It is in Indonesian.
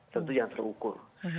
tentu yang terukur